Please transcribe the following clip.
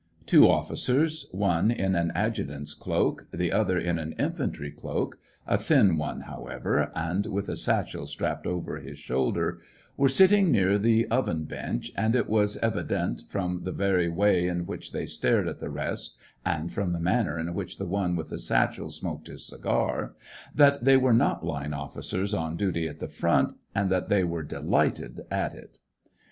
Two officers, one in an adjutant's cloak, the other in an infantry cloak, a thin one however, and with a satchel strapped over his shoulder, were sitting near the oven bench, and it was evi dent, from the very way in which they stared at the rest, and from the manner in which the one with the satchel smoked his cigar, that they were not line officers on duty at the front, and that they were delighted at it.